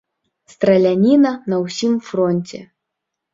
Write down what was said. Страляніна на ўсім фронце.